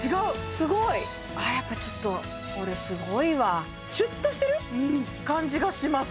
すごいああやっぱちょっとこれすごいわシュッとしてる感じがします